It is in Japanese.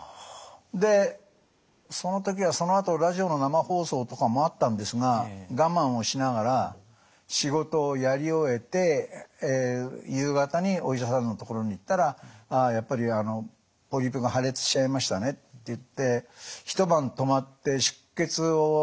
でその時はそのあとラジオの生放送とかもあったんですが我慢をしながら仕事をやり終えて夕方にお医者さんのところに行ったら「ああやっぱりポリープが破裂しちゃいましたね」って言って一晩泊まって出血を止めることができるかってやった。